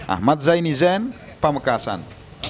ahmad zaini zen pamekasan